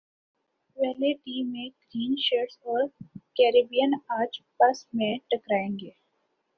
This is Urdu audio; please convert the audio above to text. پہلے ٹی میں گرین شرٹس اور کیربیئنز اج پس میں ٹکرائیں گے